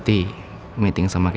disuntik sepanjang hari